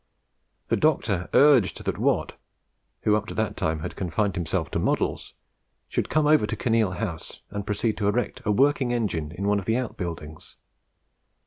The Doctor urged that Watt, who, up to that time, had confined himself to models, should come over to Kinneil House, and proceed to erect a working; engine in one of the outbuildings.